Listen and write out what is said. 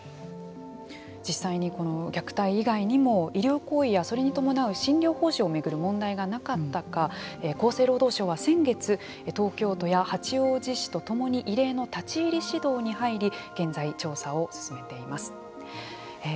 実際に虐待以外にも医療行為やそれに伴う診療報酬の問題がなかったか厚生労働省は先月東京都や八王子市とともに異例の立ち入り指導に入り現在調査を進めています。